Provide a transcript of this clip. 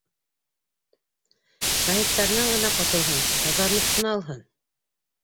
Шаһиттарынан ғына ҡотолһон, таҙарынып ҡына алһын...